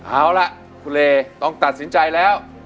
เอาล่ะคุณเลต้องตัดสินใจแล้ว